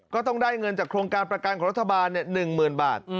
ก็ต้องได้เงินจากโครงการประกันของรัฐบาล๑๐๐๐บาท